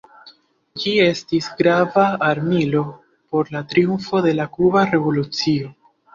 Ĝi estis grava armilo por la triumfo de la Kuba Revolucio.